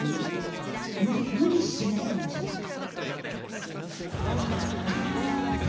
無理してないかもしれない。